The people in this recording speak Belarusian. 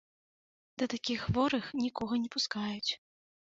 Да такіх хворых нікога не пускаюць.